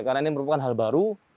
karena ini merupakan hal baru